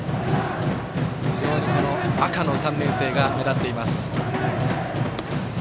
非常に赤の３年生が目立っています。